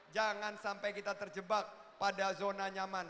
jangan sampai kita terjebak pada zona nyaman